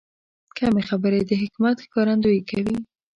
کمې خبرې، د حکمت ښکارندویي کوي.